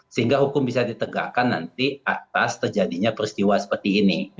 sehingga hukum bisa ditegakkan nanti atas terjadinya peristiwa seperti ini